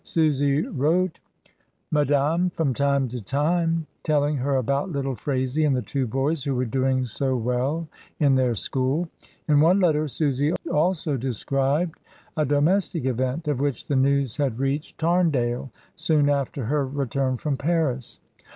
Susy wrote t: Madame from time to time, telling her about little Phraisie and the two boys, who were doing well 1* their school. In one letter Susy also described : domestic event, of which the news had reached Tarndale soon after her return from Paris.